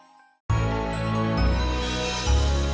saya sengaja nampar kamu biar kamut